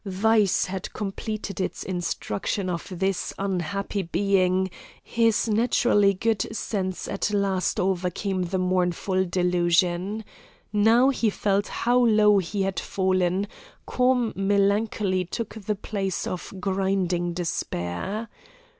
Vice had completed its instruction of this unhappy being; his naturally good sense at last overcame the mournful delusion. Now he felt how low he had fallen, calm melancholy took the place of grinding despair.